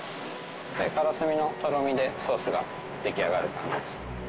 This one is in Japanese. カラスミのとろみでソースが出来上がる感じですね。